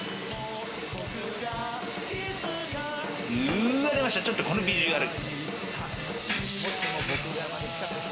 うわ、出ました、このビジュアル！